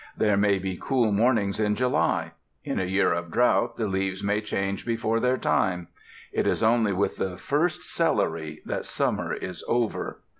There may be cool mornings in July; in a year of drought the leaves may change before their time; it is only with the first celery that summer is over.